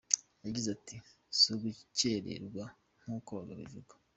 Yagize ati “Si ugukererwa nk’uko bivugwa.